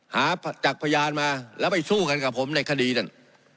หาจักรพญาณมาแล้วไปทรุกันกับผมในคดีนั่น